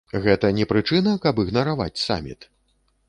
Гэта не прычына, каб ігнараваць саміт?